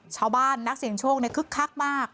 ชาวบ้านนักเสียงโชคคึกคักมาก